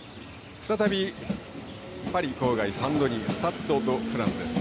再びパリ郊外のサンドニスタッド・ド・フランスです。